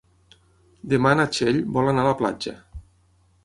Demà na Txell vol anar a la platja.